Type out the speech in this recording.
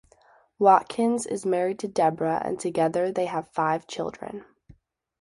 Watkins is married to Deborah and together they have five children.